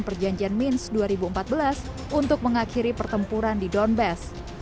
perjanjian mins dua ribu empat belas untuk mengakhiri pertempuran di donbass